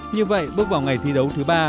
như vậy bước vào ngày thi đấu thứ ba